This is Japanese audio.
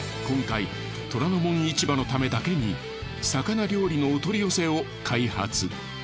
今回『虎ノ門市場』のためだけに魚料理のお取り寄せを開発。